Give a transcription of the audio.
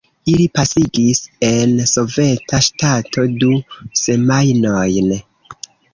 Ili pasigis en soveta ŝtato du semajnojn.